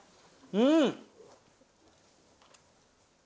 うん！